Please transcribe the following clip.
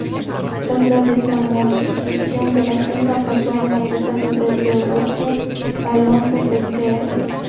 Tras la desamortización la finca pasó al marquesado de Teodosio Alonso-Pesquera.